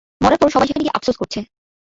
মরার পর সবাই সেখানে গিয়ে আপসোস করছে।